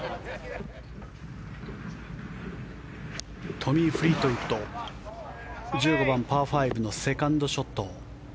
トミー・フリートウッド１５番、パー５のセカンドショット。